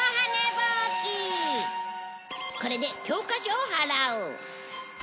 これで教科書を払う。